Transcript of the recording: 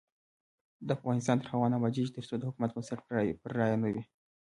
افغانستان تر هغو نه ابادیږي، ترڅو د حکومت بنسټ پر رایه نه وي.